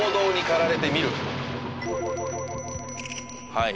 「はい。